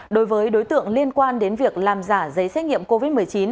đối với đối tượng liên quan đến việc làm giả giấy xét nghiệm covid một mươi chín